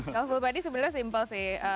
kalau full body sebenarnya simple sih